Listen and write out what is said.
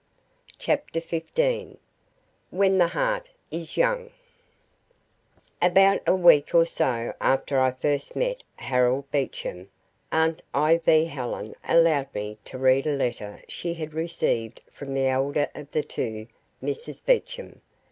CHAPTER FIFTEEN When the Heart is Young About a week or so after I first met Harold Beecham, aunt Helen allowed me to read a letter she had received from the elder of the two Misses Beecham.